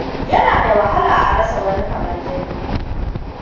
Yana da wahala a rasa wani kamar Jami.